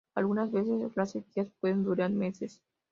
Algunas veces las sequías pueden durar meses.